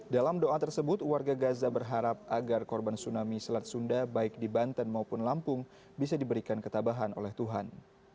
dalam doa tersebut warga gaza berharap agar korban tsunami selat sunda baik di banten maupun lampung bisa diberikan ketabahan oleh tuhan